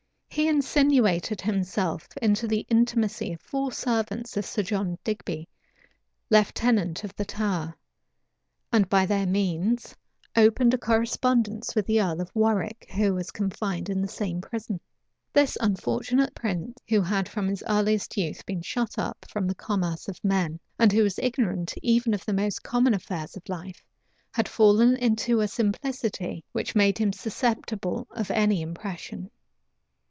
He insinuated himself into the intimacy of four servants of Sir John Digby, lieutenant of the Tower; and by their means opened a correspondence with the earl of Warwick, who was confined in the same prison. This unfortunate prince, who had from his earliest youth been shut up from the commerce of men, and who was ignorant even of the most common Affairs of life, had fallen into a simplicity which made him susceptible of any impression.